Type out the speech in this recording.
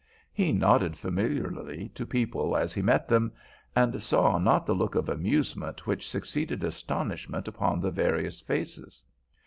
He nodded familiarly to people as he met them, and saw not the look of amusement which succeeded astonishment upon the various faces.